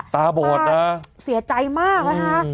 ป้าเสียใจมากนะคะ